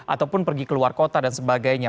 ataupun pergi ke luar kota dan sebagainya